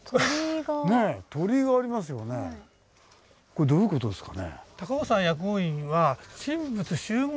これどういう事ですかね？